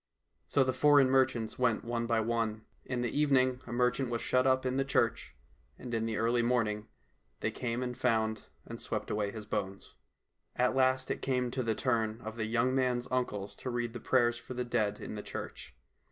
So the foreign merchants went one by one. In the evening a merchant was shut up in the church, and in the early morning they came and found and swept away his bones. At last it came to the turn of the young man's uncles to read the prayers for the dead in the church.